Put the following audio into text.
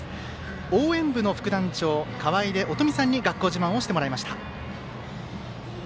応援部の副団長、川出音泉さんに学校自慢をしてもらいました。